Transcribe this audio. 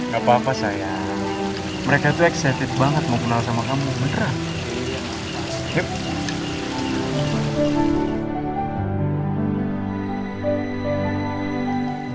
gapapa sayang mereka tuh excited banget mau kenal sama kamu beneran